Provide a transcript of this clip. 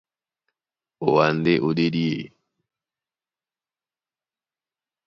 Wǎ ndé ó ɗédi e.